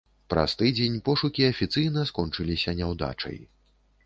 Праз тыдзень пошукі афіцыйна скончыліся няўдачай.